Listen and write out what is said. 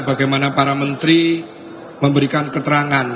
bagaimana para menteri memberikan keterangan